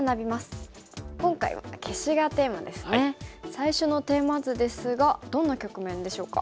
最初のテーマ図ですがどんな局面でしょうか。